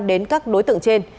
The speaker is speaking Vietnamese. đến các đối tượng trên